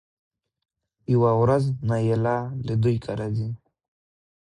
خو يوه ورځ نايله له دوی کره ځي